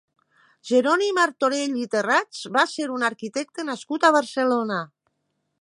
Jeroni Martorell i Terrats va ser un arquitecte nascut a Barcelona.